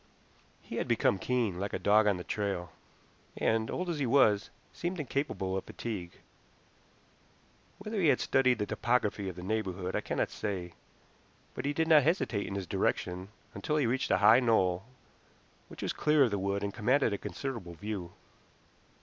He had become keen, like a dog on the trail, and, old as he was, seemed incapable of fatigue. Whether he had studied the topography of the neighborhood I cannot say, but he did not hesitate in his direction until he reached a high knoll which was clear of the wood and commanded a considerable view.